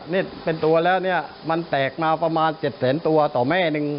นี่เป็นตัวแล้วเนี่ยมันแตกมาประมาณ๗แสนตัวต่อแม่หนึ่ง